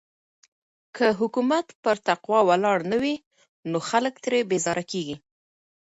که حکومت پر تقوی ولاړ نه وي نو خلګ ترې بېزاره کيږي.